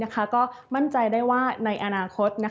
ก็มั่นใจได้ว่าในอนาคต